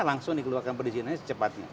langsung dikeluarkan perizinannya secepatnya